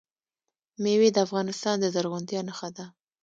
مېوې د افغانستان د زرغونتیا نښه ده.